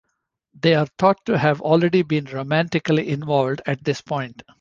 They are thought to have already been romantically involved at this point.